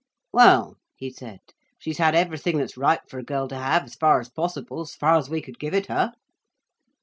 "Well," he said, "she's had everything that's right for a girl to have—as far as possible, as far as we could give it her."